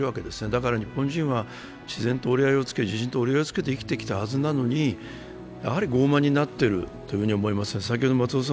だから日本人は地震と折り合いをつけ、生きてきたはずなのにやはり傲慢になっていると思います。